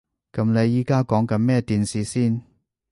噉你而家講緊乜電視先？